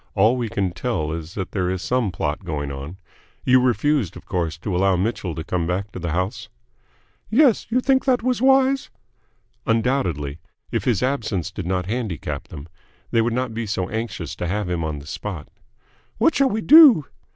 All we can tell is that there is some plot going on. You refused, of course, to allow Mitchell to come back to the house?" "Yes. You think that was wise?" "Undoubtedly. If his absence did not handicap them, they would not be so anxious to have him on the spot." "What shall we do?"